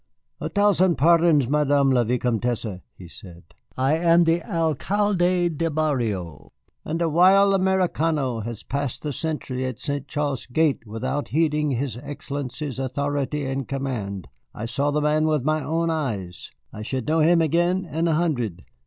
"A thousand pardons, Madame la Vicomtesse," he said. "I am the Alcalde de Barrio, and a wild Americano has passed the sentry at St. Charles's gate without heeding his Excellency's authority and command. I saw the man with my own eyes. I should know him again in a hundred.